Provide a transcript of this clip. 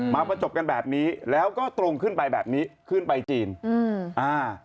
มาประจบกันแบบนี้แล้วก็ตรงขึ้นไปแบบนี้ขึ้นไปจีนอืมอ่า